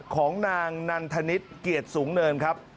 ของนางนันทนิษฐ์เกียรติสูงเนินครับ